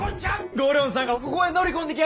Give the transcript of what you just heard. ご寮人さんがここへ乗り込んでき